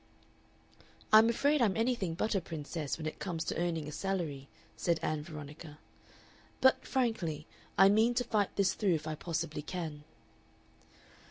"I'm afraid I'm anything but a Princess when it comes to earning a salary," said Ann Veronica. "But frankly, I mean to fight this through if I possibly can."